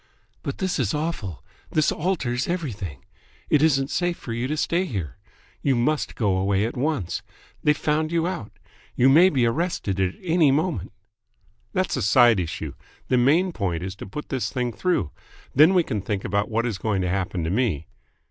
"But this is awful. This alters everything. It isn't safe for you to stay here. You must go away at once. They've found you out. You may be arrested at any moment." "That's a side issue. The main point is to put this thing through. Then we can think about what is going to happen to me."